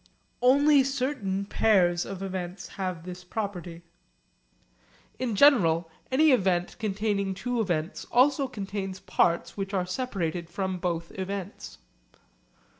Only certain pairs of events have this property. In general any event containing two events also contains parts which are separated from both events.